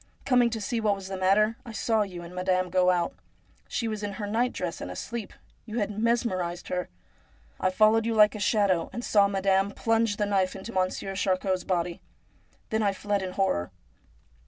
Coming to see what was the matter, I saw you and madaine go out. She was in her nightdress and asleep. You had mesmerised her. I followed you like a shadow, and saw madame plunge the knife into Monsieur Charcot's body. Then I fled in horror.'